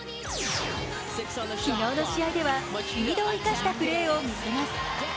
昨日の試合ではスピードを生かしたプレーを見せます。